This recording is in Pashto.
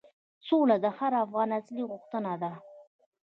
سوله د هر افغان اصلي غوښتنه ده.